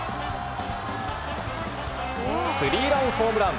スリーランホームラン。